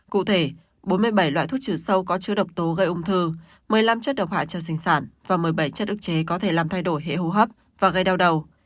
cụ thể bốn mươi bảy loại thuốc trừ sâu có chứa độc tố gây ung thư một mươi năm chất độc hại cho sinh sản và một mươi bảy chất ức chế có thể làm thay đổi hệ hô hấp và gây đau đầu